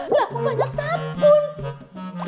lalu banyak sampul